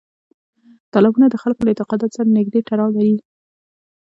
تالابونه د خلکو له اعتقاداتو سره نږدې تړاو لري.